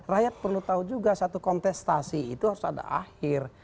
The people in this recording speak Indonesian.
rakyat perlu tahu juga satu kontestasi itu harus ada akhir